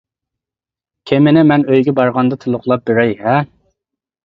كېمىنى مەن ئۆيگە بارغاندا تولۇقلاپ بېرەي ھە!